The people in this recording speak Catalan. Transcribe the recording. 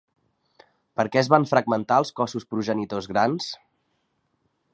Per què es van fragmentar els cossos progenitors grans?